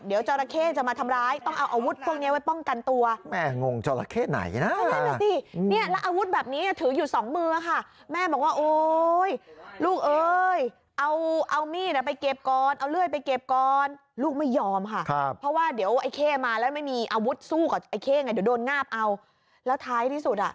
เดี๋ยวจอละเคจะมาทำร้ายต้องเอาอาวุธเงียวิ่ป้องกันตัว